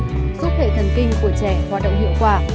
để cơ thể thần kinh của trẻ hoạt động hiệu quả